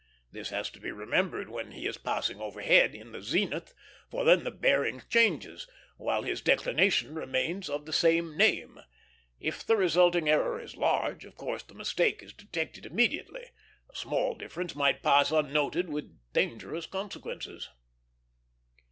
This has to be remembered when he is passed overhead, in the zenith; for then the bearing changes, while his declination remains of the same name. If the resulting error is large, of course the mistake is detected immediately; a slight difference might pass unnoted with dangerous consequences.